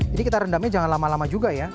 jadi kita rendamnya jangan lama lama juga ya